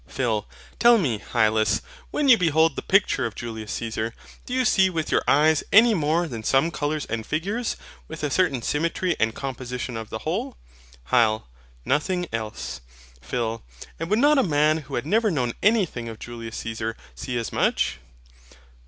PHIL. Tell me, Hylas, when you behold the picture of Julius Caesar, do you see with your eyes any more than some colours and figures, with a certain symmetry and composition of the whole? HYL. Nothing else. PHIL. And would not a man who had never known anything of Julius Caesar see as much?